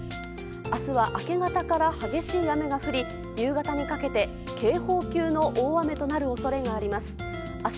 明日は明け方から激しい雨が降り夕方にかけて警報級の大雨となる恐れがあります。